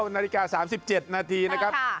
นาฬิกา๓๗นาทีนะครับ